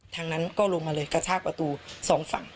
ทางนั้นก็ลงมาเลยกระชากประตูสองฝั่ง